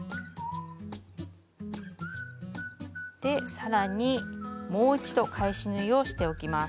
更にもう一度返し縫いをしておきます。